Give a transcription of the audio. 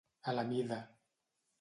A la mida.